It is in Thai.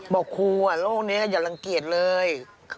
บอกครูโรคนี้อย่ารังเกียจเลย